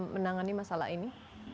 menangani masalah ini